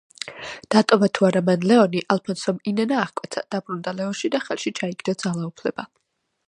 დატოვა თუ არა მან ლეონი, ალფონსომ ინანა აღკვეცა, დაბრუნდა ლეონში და ხელში ჩაიგდო ძალაუფლება.